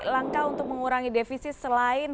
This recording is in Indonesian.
langkah untuk mengurangi defisit selain